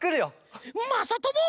まさとも！